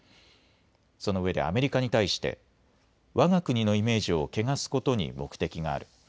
そのうえでアメリカに対してわが国のイメージを汚すことに目的がある。